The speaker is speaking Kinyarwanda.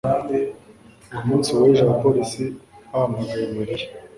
Ku munsi w'ejo, abapolisi bahamagaye Mariya.